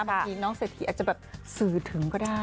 บางทีน้องเศรษฐีอาจจะแบบสื่อถึงก็ได้